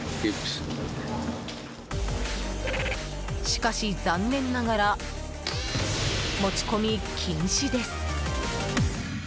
しかし、残念ながら持ち込み禁止です。